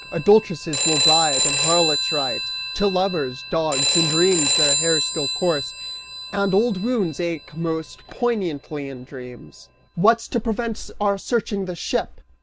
Adultresses will bribe, and harlots write To lovers: dogs, in dreams their hare still course; And old wounds ache most poignantly in dreams!" "Still, what's to prevent our searching the ship?"